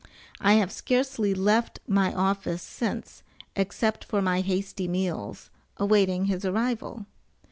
I have scarcely left my office since, except for my hasty meals, awaiting his arrival.